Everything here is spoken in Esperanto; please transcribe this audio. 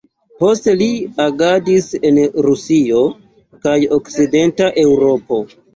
Poste li agadis en Rusio kaj okcidenta Eŭropo.